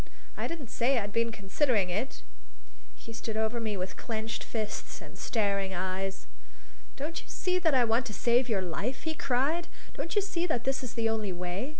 I didn't say I'd been considering that." He stood over me with clenched fists and starting eyes. "Don't you see that I want to save your life?" he cried. "Don't you see that this is the only way?